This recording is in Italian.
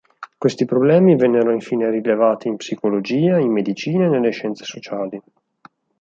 Questi problemi vennero infine rilevati in Psicologia, in Medicina e nelle Scienze sociali.